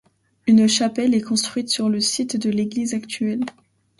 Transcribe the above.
Une chapelle est construite sur le site de l'église actuelle.